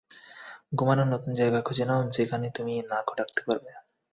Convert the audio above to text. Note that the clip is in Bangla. ঘুমানোর নতুন জায়গা খুঁজে নাও, সেখানে তুমি নাকও ডাকতে পারবে।